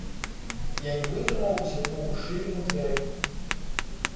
Я не вытрымаў і зірнуў у шчыліну дзвярэй.